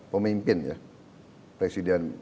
pemimpin ya presiden